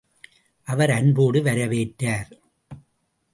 அவர் அன்போடு வரவேற்றார்.